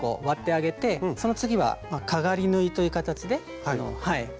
割ってあげてその次はかがり縫いという形ではい。